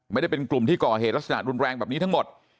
ไม่ได้เป็นกลุ่มที่ก่อเหตุลักษณะรุนแรงแบบนี้ทั้งหมด